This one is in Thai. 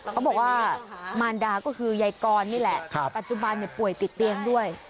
เขาบอกว่ามารดาก็คือยายกรนี่แหละปัจจุบันป่วยติดเตียงด้วย